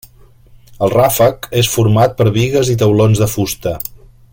El ràfec és format per bigues i taulons de fusta.